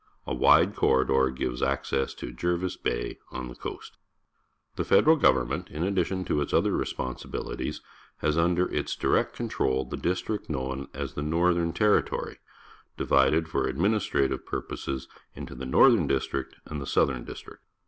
A wide corridor gives access to Jervis Bay on the coast. The federal government, in addition to its other re!?pon.sibilities, has under its di 244 PUBLIC SCHOOL GEOGRAPHY rect control the district known as the Northern Territory, divided for administra tive purposes into the Northerri District and the Southern District.